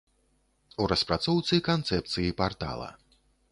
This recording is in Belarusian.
У распрацоўцы канцэпцыі партала.